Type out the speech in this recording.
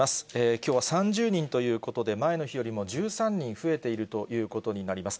きょうは３０人ということで、前の日よりも１３人増えているということになります。